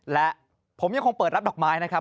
และผมยังคงเปิดรับดอกไม้นะครับ